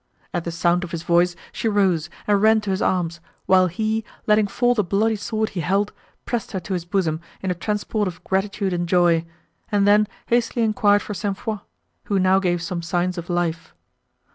At the sound of his voice, she rose, and ran to his arms, while he, letting fall the bloody sword he held, pressed her to his bosom in a transport of gratitude and joy, and then hastily enquired for St. Foix, who now gave some signs of life.